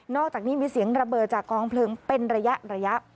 อกจากนี้มีเสียงระเบิดจากกองเพลิงเป็นระยะ